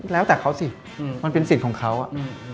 แล้วแต่เขาสิมันเป็นสิทธิ์ของเขาอ่ะอืม